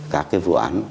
các cái vụ án